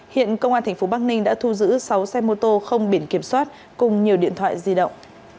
hiện công an tp bắc ninh đã thu giữ sáu xe mô tô không biển kiểm soát cùng nhiều điện thoại di động